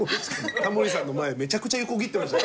タモリさんの前めちゃくちゃ横切ってました。